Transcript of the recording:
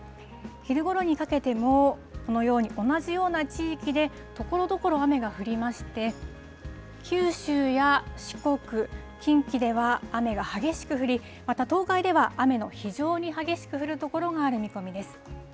昼ごろにかけても、このように、同じような地域で、ところどころ雨が降りまして、九州や四国、近畿では、雨が激しく降り、また東海では雨の非常に激しく降る所がある見込みです。